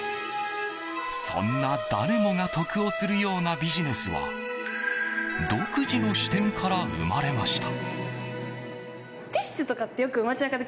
そんな誰もが得をするようなビジネスは独自の視点から生まれました。